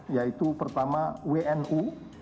yaitu pertama wnu